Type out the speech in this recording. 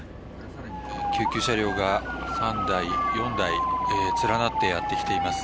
救急車両が３台、４台連なってやってきています。